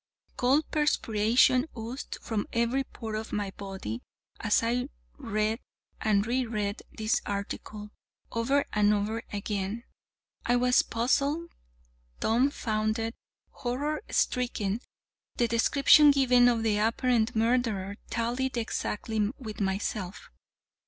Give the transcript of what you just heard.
Cold perspiration oozed from every pore of my body as I read and re read this article, over and over again. I was puzzled, dumbfounded, horror stricken. The description given of the apparent murderer tallied exactly with myself.